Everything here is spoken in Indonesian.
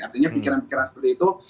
artinya pikiran pikiran seperti itu